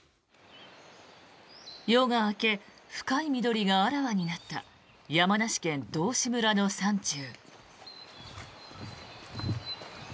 夜が明け深い緑があらわになった山梨県道志村の山中。